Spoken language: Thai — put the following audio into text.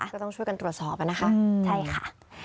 ก็ต้องช่วยกันตรวจสอบนะคะใช่ค่ะ